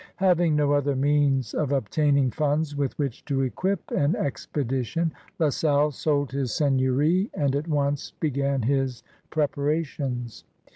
Having no other means of obtaining funds with which to equip an expedition. La Salle sold his seigneury and at once b^an his preparations.